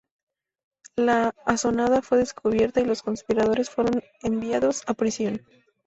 La asonada fue descubierta y los conspiradores fueron enviados a prisión.